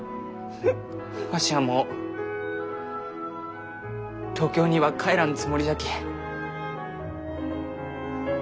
わしはもう東京には帰らんつもりじゃき。